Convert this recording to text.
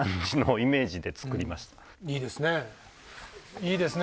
いいですね。